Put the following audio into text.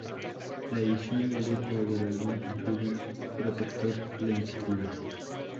La edición de lujo del álbum incluye un protector lenticular.